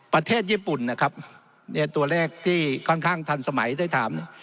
ประเทศญี่ปุ่นนะครับเนี่ยตัวเลขที่ค่อนข้างทันสมัยได้ถามเนี่ย